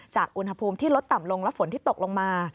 อุณหภูมิที่ลดต่ำลงและฝนที่ตกลงมา